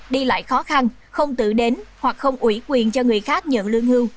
đi lại khó khăn không tự đến hoặc không ủy quyền cho người khác nhận lương hưu